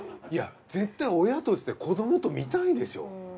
いや絶対親として子どもと観たいでしょう？